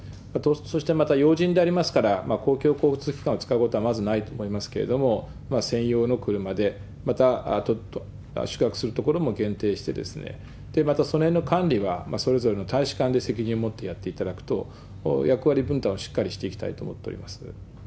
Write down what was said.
そしてまた、要人でありますから、公共交通機関を使うことはまずないと思いますけれども、専用の車で、また宿泊する所も限定して、また、そのへんの管理はそれぞれの大使館で責任を持ってやっていただくと、役割分担をしっかりしていきたいと思っております。